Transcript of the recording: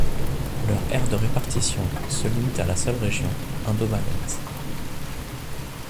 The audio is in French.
Leur aire de répartition se limite à la seule région indomalaise.